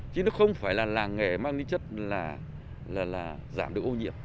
chứ nó không phải là làng nghề mang đi chất là giảm được ô nhiễm